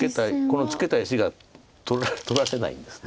このツケた石が取られないんです。